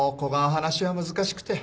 話は難しくて。